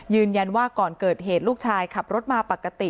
ยืนยันว่าก่อนเกิดเหตุลูกชายขับรถมาปกติ